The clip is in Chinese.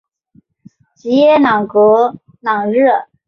吉耶朗格朗热。